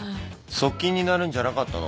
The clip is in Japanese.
側近になるんじゃなかったの？